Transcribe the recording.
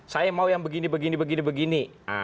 saya mau yang begini begini begini